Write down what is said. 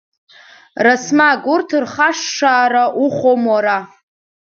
Расмаг урҭ рхашшаара ухәом уара.